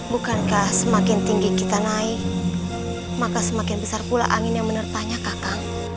bukankah semakin tinggi kita naik maka semakin besar pula angin yang menerpahnya kakak